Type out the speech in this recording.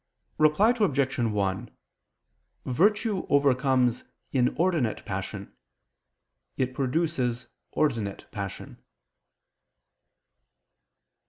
Reply Obj. 1: Virtue overcomes inordinate passion; it produces ordinate passion.